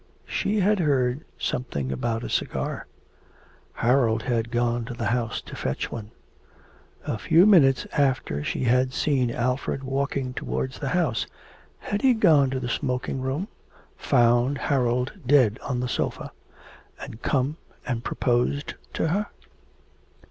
She had heard something about a cigar; Harold had gone to the house to fetch one. A few minutes after she had seen Alfred walking towards the house. Had he gone to the smoking room... found Harold dead on the sofa and come and proposed to her?